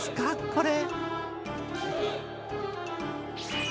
これ。